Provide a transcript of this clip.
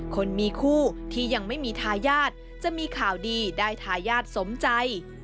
คนมีคู่ที่ยังไม่มีทายาทจะมีข่าวดีได้ทายาทสมใจ